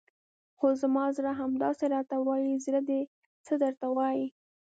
خو زما زړه همداسې راته وایي، زړه دې څه درته وایي؟